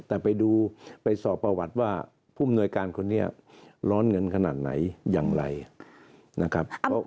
แต่ไปดูไปสอบประวัติว่าผู้มนวยการคนนี้ร้อนเงินขนาดไหนอย่างไรนะครับ